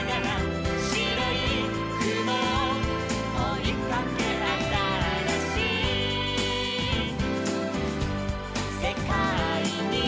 「しろいくもをおいかけ」「あたらしいせかいに」